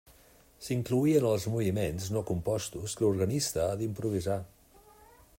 S'incloïen els moviments no compostos que l'organista ha d'improvisar.